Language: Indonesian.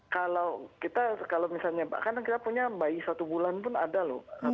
kalau kita kalau misalnya karena kita punya bayi satu bulan pun ada loh